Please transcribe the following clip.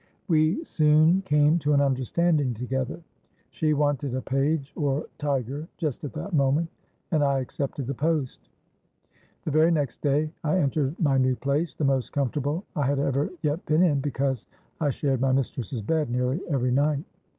We soon came to an understanding together; she wanted a page, or tiger, just at that moment, and I accepted the post. The very next day I entered my new place—the most comfortable I had ever yet been in, because I shared my mistress's bed nearly every night.